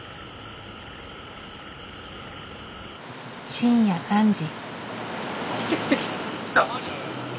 深夜３時。